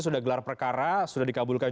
sudah gelar perkara sudah dikabulkan